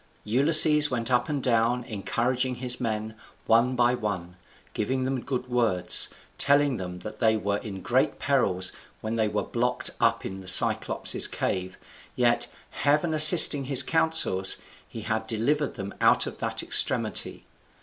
Ulysses went up and down encouraging his men, one by one, giving them good words, telling them that they were in greater perils when they were blocked up in the Cyclop's cave, yet, Heaven assisting his counsels, he had delivered them out of that extremity.